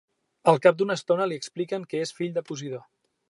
Al cap d'una estona, li expliquen que és el fill de Posidó.